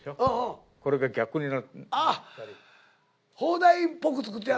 これが逆になってる。